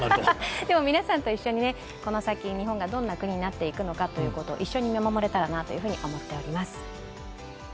皆さんと一緒にこの先、日本がどんな国になっていくのかを一緒に見守れたらなと思っております。